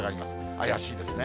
怪しいですね。